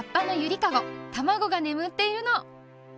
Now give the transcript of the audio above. たまごがねむっているの。